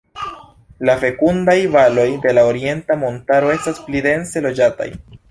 La fekundaj valoj de la Orienta Montaro estas pli dense loĝataj.